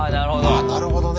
あっなるほどね。